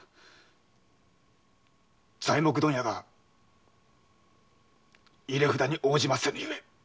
材木問屋が入れ札に応じませぬゆえ。